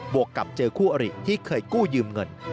วกกับเจอคู่อริที่เคยกู้ยืมเงิน